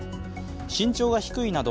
身長が低いなど